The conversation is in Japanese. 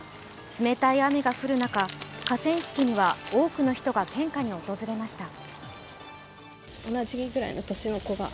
冷たい雨が降る中、河川敷には多くの人が献花に訪れました。